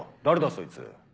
そいつ。